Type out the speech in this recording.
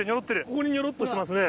ここにニョロっとしてますね。